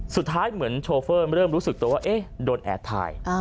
สุดท้ายเหมือนโชเฟอร์เริ่มรู้สึกตัวว่าโดนแอบถ่าย